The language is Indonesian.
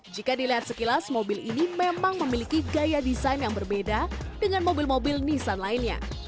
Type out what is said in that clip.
jika dilihat sekilas mobil ini memang memiliki gaya desain yang berbeda dengan mobil mobil nissan lainnya